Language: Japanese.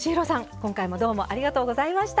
今回もどうもありがとうございました。